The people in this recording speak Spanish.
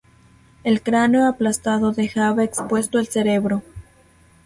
El cráneo aplastado dejaba expuesto el cerebro.